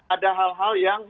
ada hal hal yang